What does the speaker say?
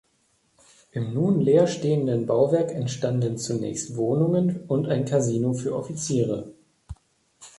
In dem nun leerstehenden Bauwerk entstanden zunächst Wohnungen und ein Kasino für Offiziere.